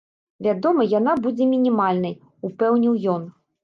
Вядома яна будзе мінімальнай, упэўніў ён.